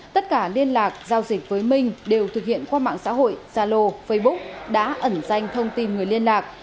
tất cả liên lạc giao dịch với minh đều thực hiện qua mạng xã hội zalo facebook đã ẩn danh thông tin người liên lạc